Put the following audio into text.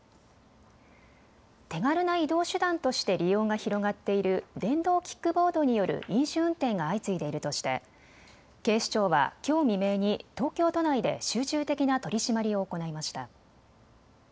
手軽な移動手段として利用が広がっている電動キックボードによる飲酒運転が相次いでいるとして警視庁はきょう未明に東京都内で集中的な取締りを行いました。